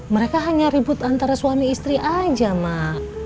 mereka hanya ribut antara suami istri aja mak